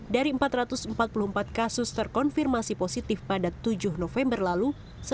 dari empat ratus empat puluh empat kasus terkonfirmasi positif pada tujuh november lalu